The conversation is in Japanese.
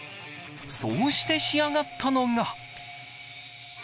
そうして仕上がったのが。